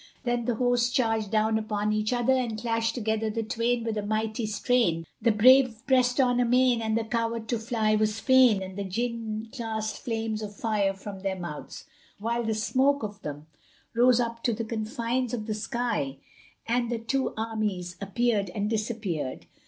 Then the hosts charged down upon each other and clashed together the twain with a mighty strain, the brave pressed on amain and the coward to fly was fain and the Jinn cast flames of fire from their mouths, whilst the smoke of them rose up to the confines of the sky and the two armies appeared and disappeared.